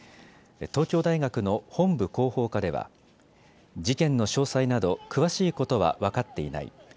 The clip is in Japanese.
東京大学の本部広報課では事件の詳細など詳しいことは分かっていない。